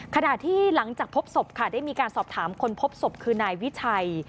ขณะที่หลังจากพบศพค่ะได้มีการสอบถามคนพบศพคือนายวิชัย